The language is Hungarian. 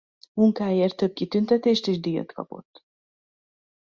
Munkáiért több kitüntetést és díjat kapott.